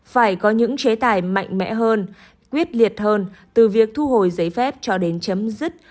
phải có những chế tài mạnh mẽ hơn quyết liệt hơn từ việc thu hồi giấy phép cho đến chấm dứt